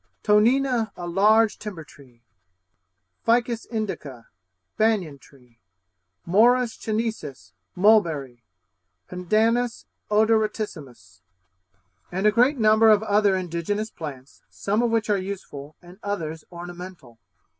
Toonena, a large timber tree. Ficus indica Banyan tree. Morus chinensis Mulberry. Pandanus odoratissimus (?) And a great number of other indigenous plants, some of which are useful and others ornamental.